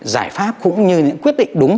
giải pháp cũng như những quyết định đúng